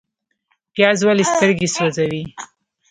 پیاز ولې سترګې سوځوي؟